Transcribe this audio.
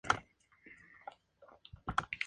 Sus trabajos fueron bien acogidos en vida.